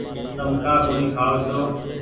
تم ڪآ ڪونيٚ کآئو ڇو۔